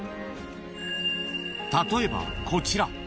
［例えばこちら］